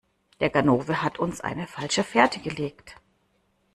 Der Ganove hat uns eine falsche Fährte gelegt.